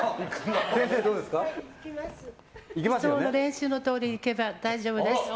練習のとおりにいけば大丈夫です。